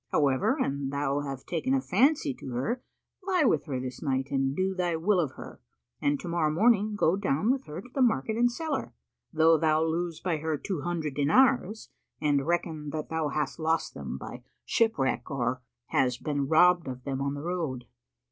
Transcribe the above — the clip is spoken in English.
However, an thou have taken a fancy to her, lie with her this night and do thy will of her and to morrow morning go down with her to the market and sell her, though thou lose by her two hundred dinars, and reckon that thou hast lost them by shipwreck or hast been robbed of them on the road."